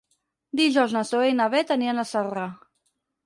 Dijous na Zoè i na Bet aniran a Celrà.